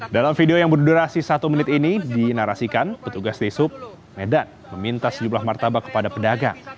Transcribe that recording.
dalam video yang berdurasi satu menit ini dinarasikan petugas desub medan meminta sejumlah martabak kepada pedagang